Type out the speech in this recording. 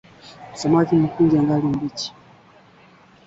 Kupata chanjo mara tu baada ya kungatwa na mbwa hudhibiti ugonjwa